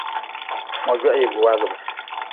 Mogwahiigu waagʼbe.